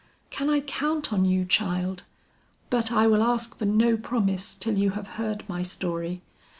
Can I count on you, child? But I will ask for no promise till you have heard my story.